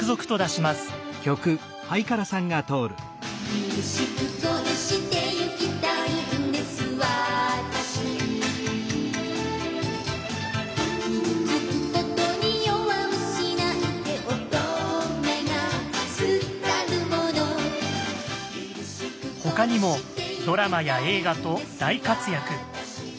凛々しく恋してゆきたいんです私傷つくことに弱虫なんて乙女がすたるものほかにもドラマや映画と大活躍。